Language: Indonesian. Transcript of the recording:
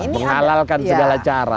menghalalkan segala cara